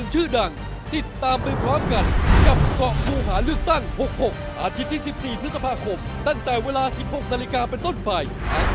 จุดเนี่ยณตอนเนี่ย